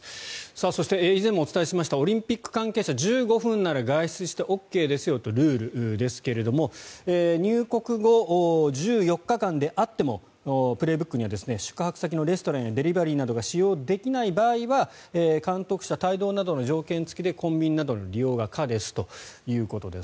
そして、以前もお伝えしましたオリンピック関係者１５分以内なら外出してもＯＫですよというルールですが入国後１４日間であっても「プレーブック」には宿泊先のレストランやデリバリーなどが使用できない場合は監督者帯同などの条件付きでコンビニなどの利用が可ですということです。